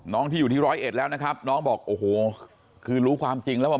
ที่อยู่ที่ร้อยเอ็ดแล้วนะครับน้องบอกโอ้โหคือรู้ความจริงแล้วว่า